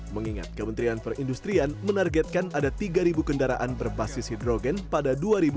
mengingat kementerian perindustrian menargetkan ada tiga kendaraan berbasis hidrogen pada dua ribu dua puluh